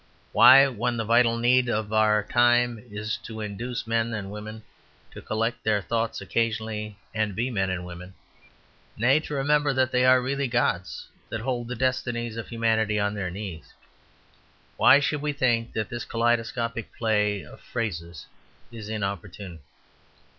Why, when the vital need of our time is to induce men and women to collect their thoughts occasionally, and be men and women nay, to remember that they are really gods that hold the destinies of humanity on their knees why should we think that this kaleidoscopic play of phrases is inopportune?